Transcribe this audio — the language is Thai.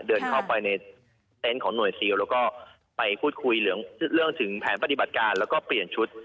เดินเข้าไปในเต็นต์ของหน่วยซิลแล้วก็ไปพูดคุยเรื่องถึงแผนปฏิบัติการแล้วก็เปลี่ยนชุด